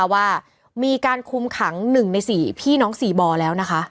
ว่ามีการคุมขัง๑ใน๔พี่น้อง๔บ่อแล้วนะคะ